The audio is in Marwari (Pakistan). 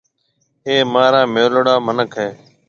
اَي مهارا ميلوڙا مِنک هيَ۔